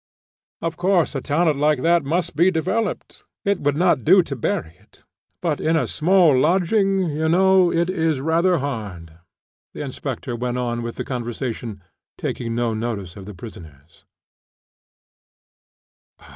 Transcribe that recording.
"Of course a talent like that must be developed; it would not do to bury it, but in a small lodging, you know, it is rather hard." The inspector went on with the conversation, taking no notice of the prisoners.